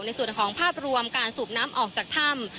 ในส่วนของภาพรวมการสูบน้ำออกจากถ้ำ